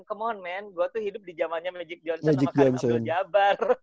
come on man gue tuh hidup di zamannya magic johnson sama karim abdul jabbar